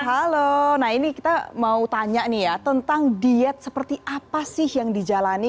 halo nah ini kita mau tanya nih ya tentang diet seperti apa sih yang dijalani